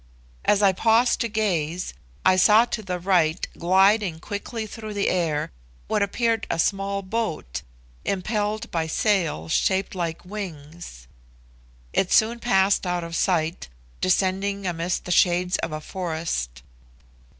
As I paused to gaze, I saw to the right, gliding quickly through the air, what appeared a small boat, impelled by sails shaped like wings. It soon passed out of sight, descending amidst the shades of a forest.